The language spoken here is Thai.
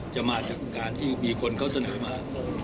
มาจากการที่มีคนเขาเสนอมา